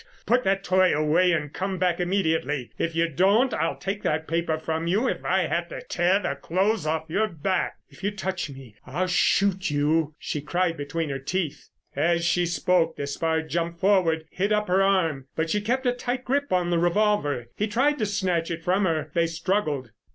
Put that toy away and come back immediately. If you don't I'll take that paper from you if I have to tear the clothes off your back." "If you touch me, I'll shoot you!" she cried between her teeth. As she spoke Despard jumped forward and hit up her arm. But she kept a tight grip on the revolver. He tried to snatch it from her. They struggled.